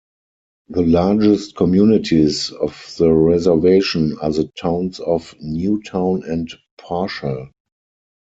The largest communities of the reservation are the towns of New Town and Parshall.